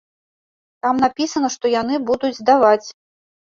Там напісана, што яны будуць здаваць.